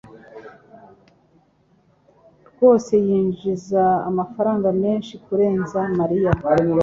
rwose yinjiza amafaranga menshi kurenza Mariya